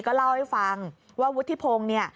ก็เล่าให้ฟังว่าวุฒิพงศ์เนี่ย